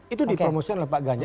itu dipromosikan oleh pak ganjar